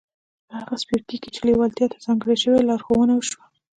په هغه څپرکي کې چې لېوالتیا ته ځانګړی شوی و لارښوونه وشوه.